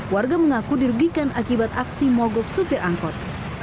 warga mengaku dirugikan akibat aksi mogok supir angkot